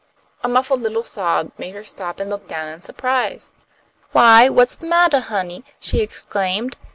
A muffled little sob made her stop and look down in surprise. "Why, what's the mattah, honey?" she exclaimed.